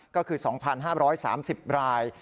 ก็คือ๒๕๓๐ราย